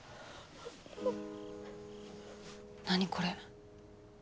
何これ。